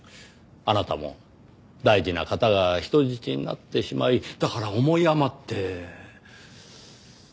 あなたも大事な方が人質になってしまいだから思い余って。